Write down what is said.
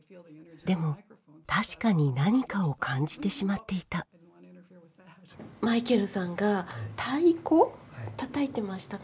でも確かに何かを感じてしまっていたマイケルさんが太鼓をたたいてましたかね？